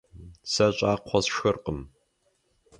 Сэ щӀакхъуэ сшхыркъым.